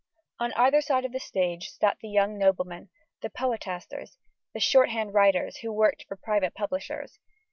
On either side of the stage sat the young noblemen, the poetasters, and the shorthand writers who worked for private publishers.